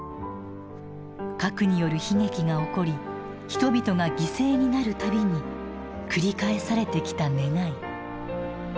核による悲劇が起こり人々が犠牲になる度に繰り返されてきた願い。